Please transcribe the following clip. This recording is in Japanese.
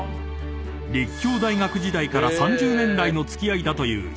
［立教大学時代から３０年来の付き合いだという平田さん］